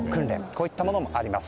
こういったものもあります。